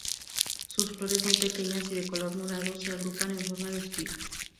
Sus flores, muy pequeñas y de color morado se agrupan en forma de espiga.